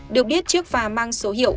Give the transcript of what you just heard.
được biết chiếc phà mang số hiệu